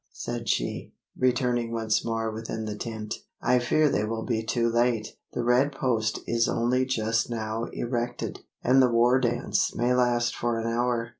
said she, returning once more within the tent, "I fear they will be too late. The red post is only just now erected; and the war dance may last for an hour.